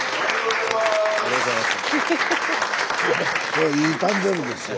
これいい誕生日ですよ。